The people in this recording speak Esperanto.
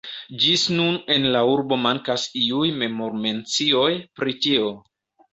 Ĝis nun en la urbo mankas iuj memor-mencioj pri tio.